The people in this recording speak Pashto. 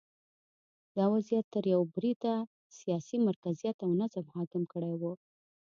دا وضعیت تر یوه بریده سیاسي مرکزیت او نظم حاکم کړی و